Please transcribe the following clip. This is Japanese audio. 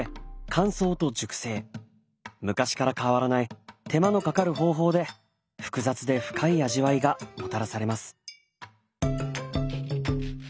昔から変わらない手間のかかる方法で複雑で深い味わいがもたらされます。